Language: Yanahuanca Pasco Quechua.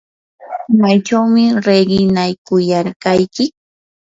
¿maychawmi riqinakuyarqayki?